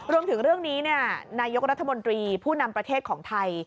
รวมถึงเรื่องนี้นายกรัฐมนตรีผู้นำประเทศของไทย